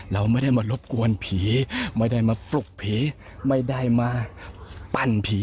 เราไม่ได้มารบกวนผีไม่ได้มาปลุกผีไม่ได้มาปั้นผี